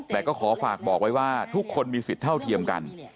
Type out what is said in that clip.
แต่ก็ขอฝากบอกไว้ว่าทุกคนมีสิทธิ์เท่าเทียมกัน